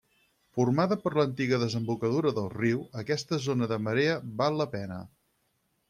Formada per l'antiga desembocadura del riu, aquesta zona de marea val la pena.